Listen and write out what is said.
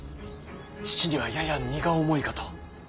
父にはやや荷が重いかと。